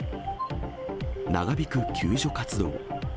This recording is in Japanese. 長引く救助活動。